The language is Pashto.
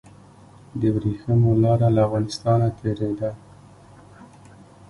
د وریښمو لاره له افغانستان تیریده